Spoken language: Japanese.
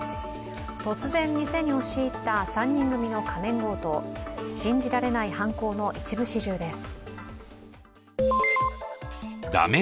突然、店に押し入った３人組の仮面強盗信じられない犯行の一部始終です。